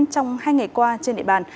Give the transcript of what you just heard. trong hai ngày qua trên địa bàn